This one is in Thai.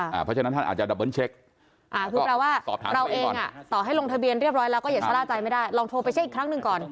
เพราะฉะนั้นท่านอาจจะดับเบิ้ลเช็ค